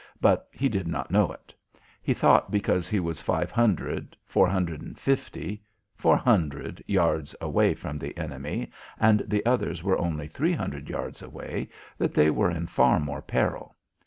But he did not know it. He thought because he was five hundred four hundred and fifty four hundred yards away from the enemy and the others were only three hundred yards away that they were in far more peril.